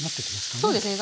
そうですね。